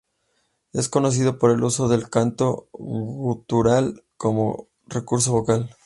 Es conocido por el uso del canto gutural como recurso vocal.